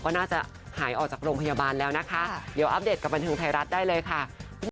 ก็น่าจะหายออกจากโรงพยาบาลแล้วนะคะเดี๋ยวอัปเดตกับบันเทิงไทยรัฐได้เลยค่ะ